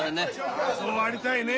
ああそうありたいね。